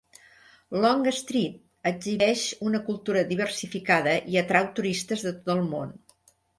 Long Street exhibeix una cultura diversificada i atrau turistes de tot el món.